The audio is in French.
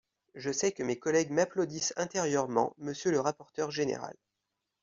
Je sais que mes collègues m’applaudissent intérieurement, monsieur le rapporteur général